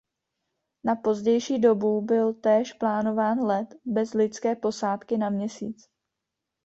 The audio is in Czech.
Na pozdější dobu byl též plánován let bez lidské posádky na Měsíc.